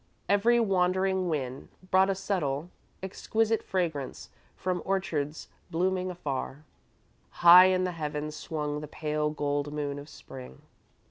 Every wandering wind brought a subtle, exquisite fragrance from orchards blooming afar. High in the heavens swung the pale gold moon of Spring.